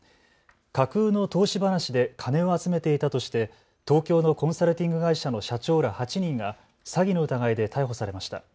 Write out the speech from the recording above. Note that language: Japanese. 架空の投資話で金を集めていたとして東京のコンサルティング会社の社長ら８人が詐欺の疑いで逮捕されました。